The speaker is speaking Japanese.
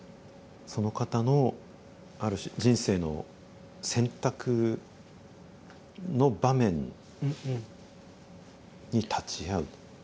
その方のある種人生の選択の場面に立ち会う。